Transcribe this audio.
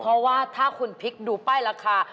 เพราะว่าถ้าคุณพลิกดูป้ายราคา